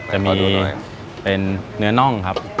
จะมีเป็นเนื้อน่องครับ